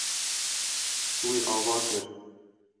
Wî ava kir.